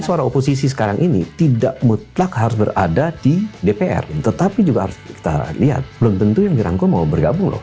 suara oposisi sekarang ini tidak mutlak harus berada di dpr tetapi juga harus kita lihat belum tentu yang dirangkul mau bergabung loh